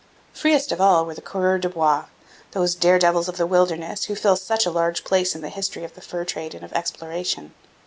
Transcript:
Freest of all were the coureurs de bois, those dare devils of the wilderness who fill such a large place in the history of the fur trade and of exploration.